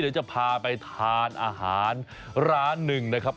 เดี๋ยวจะพาไปทานอาหารร้านหนึ่งนะครับ